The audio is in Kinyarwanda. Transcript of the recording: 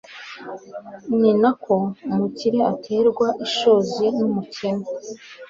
ni na ko umukire aterwa ishozi n'umukene